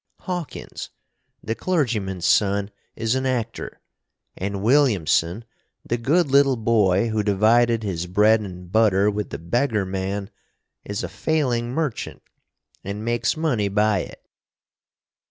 Hawkins, the clergyman's son, is an actor; and Williamson, the good little boy who divided his bread and butter with the beggar man, is a failing merchant, and makes money by it.